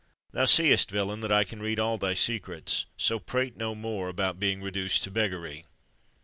Thou seest, villain, that I can read all thy secrets: so prate no more about being reduced to beggary."